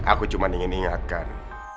aku cuma ingin diingatkan